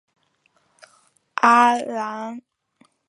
阿兰人口变化图示